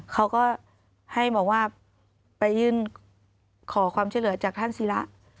เขาก็ให้บอกว่าไปยื่นขอความช่วยเหลือจากท่านศิระ